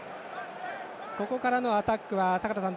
ここからのアタックは、坂田さん